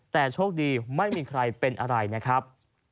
แต่โชคดีไม่มีใครเป็นอะไรนะครับ